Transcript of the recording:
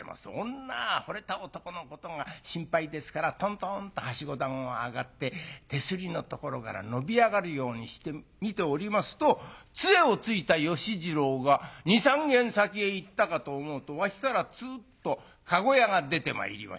女はほれた男のことが心配ですからとんとんっとはしご段を上がって手すりのところから伸び上がるようにして見ておりますとつえをついた芳次郎が２３軒先へ行ったかと思うと脇からつーっと駕籠屋が出てまいりまして。